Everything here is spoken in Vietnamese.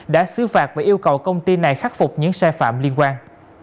đã xứ phạt và yêu cầu công ty này khắc phục những sai phạm liên quan